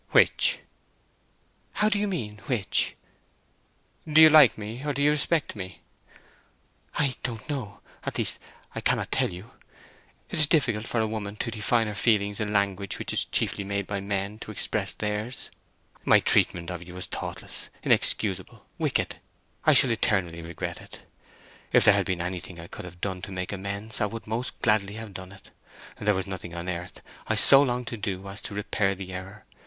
"Which?" "How do you mean which?" "Do you like me, or do you respect me?" "I don't know—at least, I cannot tell you. It is difficult for a woman to define her feelings in language which is chiefly made by men to express theirs. My treatment of you was thoughtless, inexcusable, wicked! I shall eternally regret it. If there had been anything I could have done to make amends I would most gladly have done it—there was nothing on earth I so longed to do as to repair the error.